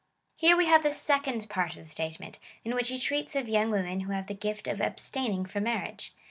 Here we have the second part of the statement, in which he treats of young women who have the gift of abstaining from marriage.